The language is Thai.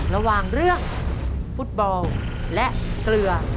ระหว่างเรื่องฟุตบอลและเกลือ